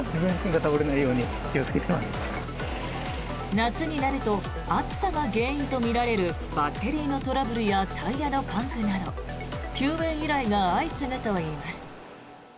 夏になると暑さが原因とみられるバッテリーのトラブルやタイヤのパンクなど救援依頼が相次ぐといいます。